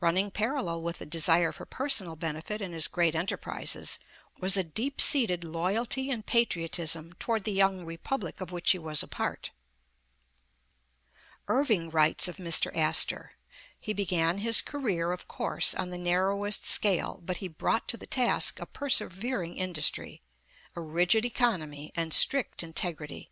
Running parallel with the desire for per sonal benefit in his great enterprises, was a deep seated loyalty and patriotism toward the young Republic of which he was a part. Irving writes of Mr. Astor: ^'He began his career, of course, on the narrowest scale; but he brought to the task a persevering industry, a rigid economy, and strict integrity.